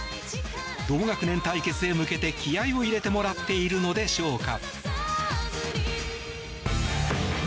同学年対決へ向けて気合を入れてもらっているのでしょうか。